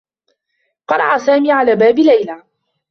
قرع سامي على باب ليلى.